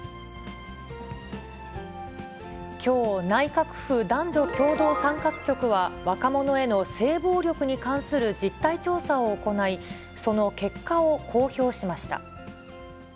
きょう、内閣府男女共同参画局は、若者への性暴力に関する実態調査を行い、その結果を公表しました。